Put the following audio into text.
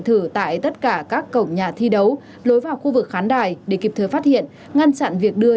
thử tại tất cả các cổng nhà thi đấu lối vào khu vực khán đài để kịp thời phát hiện ngăn chặn việc đưa